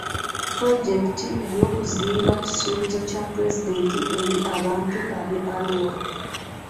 Pulojekiti y'okuzimba kisuubizo kya pulezidenti eri abantu b'e Arua.